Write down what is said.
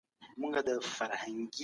د حنفي مذهب له مخې قاتل وژل کېږي.